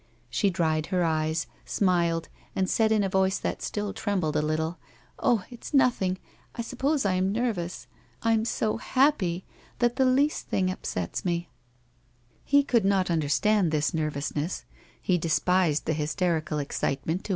She dried her eyes, smiled, and said in a voice that still trembled a little :" Oh, it's nothing, I suppose I am nervous. I am so happy that the least thing upsets me.' 70 A WOMAN'S LIFE. He could not understand this nervousness ; he despised the hysterical excitenilut to